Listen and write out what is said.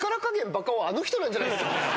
バカ男はあの人なんじゃないですか？